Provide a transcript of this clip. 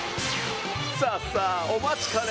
さぁさぁお待ちかね！